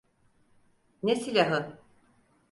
Ne silahı?